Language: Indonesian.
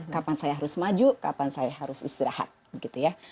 kapan saya harus maju kapan saya harus istirahat begitu ya